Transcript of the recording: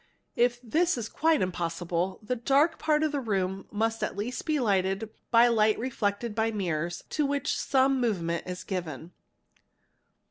If this is quite impossible, the dark part of the room nust at least be hghtened by light reflected by mirrors to which some 10vement is given.